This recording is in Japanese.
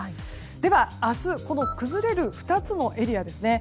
では、明日この崩れる２つのエリアですね。